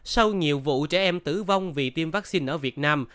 sau nhiều vụ trẻ em tử vong vì tiêm vaccine ở việt nam